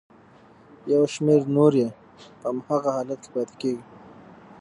یو شمېر نورې یې په هماغه حالت کې پاتې کیږي.